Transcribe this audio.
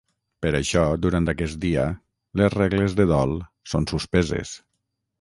Per això, durant aquest dia, les regles de dol són suspeses.